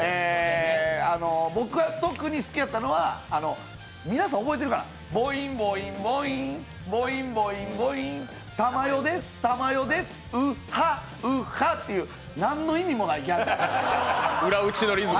僕が特に好きだったのは皆さん覚えてるかな、ボインボインボインボイーン、珠代です、珠代です、ウッハ、ウッハっていう何の意味もないギャグ。